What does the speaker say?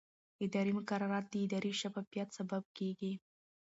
اداري مقررات د ادارې د شفافیت سبب کېږي.